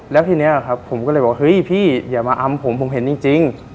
แล้วทีนี้ครับผมก็เลยบอกเฮ้ยพี่อย่ามาอำผมผมเห็นจริง